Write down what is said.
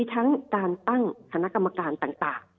ทั้งการตั้งคณะกรรมการต่าง